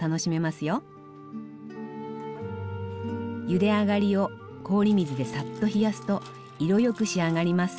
ゆで上がりを氷水でサッと冷やすと色よく仕上がります。